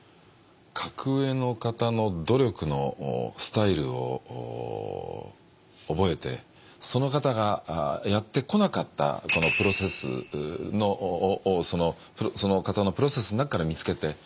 格上の方の努力のスタイルを覚えてその方がやってこなかったプロセスをその方のプロセスの中から見つけて。